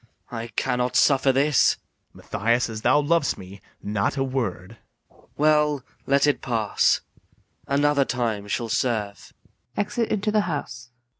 I cannot suffer this. BARABAS. Mathias, as thou lov'st me, not a word. MATHIAS. Well, let it pass; another time shall serve.